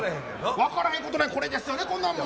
分からへんことない、これですよね、こんなもん。